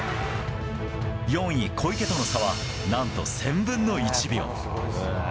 ４位、小池との差は何と１０００分の１秒。